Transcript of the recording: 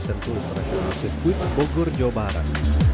sentul perasyonan sirkuit bogor jawa barat